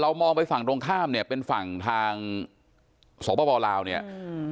มองไปฝั่งตรงข้ามเนี่ยเป็นฝั่งทางสปลาวเนี่ยอืม